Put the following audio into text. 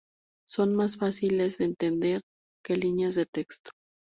Son más fáciles de entender que líneas de texto.